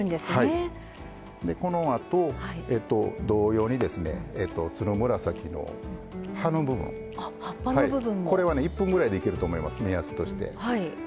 このあと、同様につるむらさきの葉の部分これは１分ぐらいでいけると思います目安として。